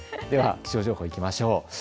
では気象情報いきましょう。